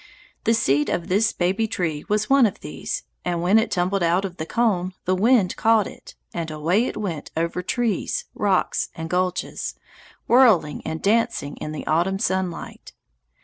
The seed of this baby tree was one of these, and when it tumbled out of the cone the wind caught it, and away it went over trees, rocks, and gulches, whirling and dancing in the autumn sunlight.